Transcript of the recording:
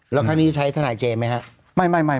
แล้วครั้งนี้ใช้ทนายเจมสไหมครับ